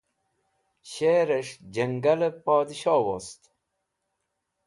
Sher es̃h Jangle Podshoh Wost